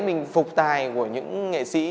mình phục tài của những nghệ sĩ